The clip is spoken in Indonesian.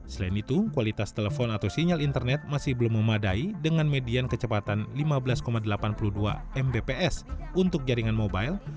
selain itu kualitas telepon atau sinyal internet masih belum memadai dengan median kecepatan lima belas delapan puluh dua mbps untuk jaringan mobile